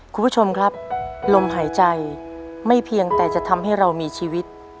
คุณผู้ชมครับลมหายใจไม่เพียงแต่จะทำให้เรามีชีวิต